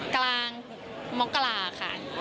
กลางมองกลาค่ะ